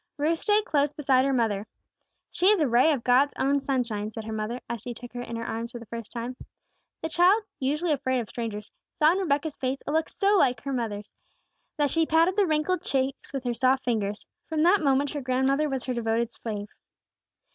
Ruth stayed close beside her mother. "She is a ray of God's own sunshine," said her grandmother, as she took her in her arms for the first time. The child, usually afraid of strangers, saw in Rebecca's face a look so like her mother's that she patted the wrinkled cheeks with her soft fingers. From that moment her grandmother was her devoted slave.